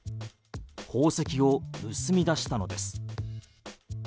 宝石を盗み出したのです。